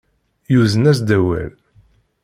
Yuzen-asen-d awal.